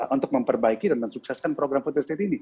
untuk memperbaiki dan mensukseskan program food estate ini